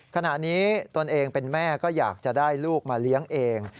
ขณะนี้ตนเองเป็นแม่ก็อยากจะได้ลูกมาเลี้ยงเอง